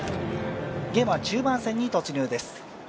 ゲームは中盤戦に突入です。